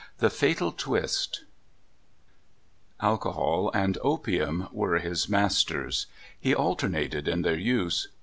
BLIGHTED m ILCOHOL and opium were his masters. He alternated in their use.